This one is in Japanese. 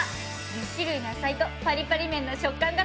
１０種類の野菜とパリパリ麺の食感が楽しめるの。